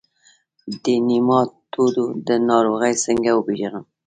د نیماټوډ ناروغي څنګه وپیژنم؟